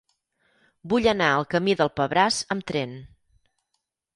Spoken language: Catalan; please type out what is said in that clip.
Vull anar al camí del Pebràs amb tren.